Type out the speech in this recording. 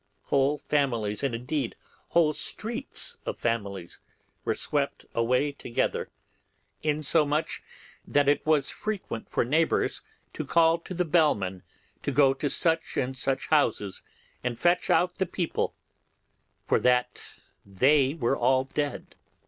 Whole families, and indeed whole streets of families, were swept away together; insomuch that it was frequent for neighbours to call to the bellman to go to such and such houses and fetch out the people, for that they were all dead.